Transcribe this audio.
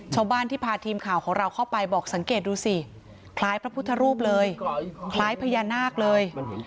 ชาวบ้านที่พาทีมข่าวของเราเข้าไปบอกสังเกตดูสิคล้ายพระพุทธรูปเลยคล้ายพญานาคเลย